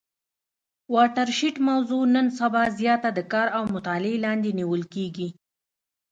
واټر شید موضوع نن سبا زیاته د کار او مطالعې لاندي نیول کیږي.